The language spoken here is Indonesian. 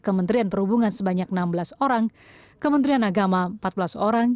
kementerian perhubungan sebanyak enam belas orang kementerian agama empat belas orang